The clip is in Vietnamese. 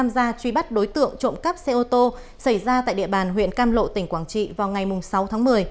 ra truy bắt đối tượng trộm cắp xe ô tô xảy ra tại địa bàn huyện cam lộ tỉnh quảng trị vào ngày sáu tháng một mươi